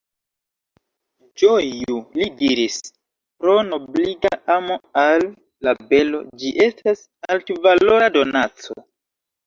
Ĝoju, li diris, pro nobliga amo al la belo; ĝi estas altvalora donaco.